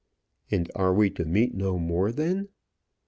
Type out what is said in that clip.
"And are we to meet no more, then?"